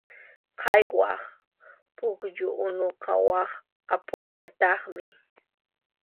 Qhaywaq pukyu unuqa wak apupñataqmi.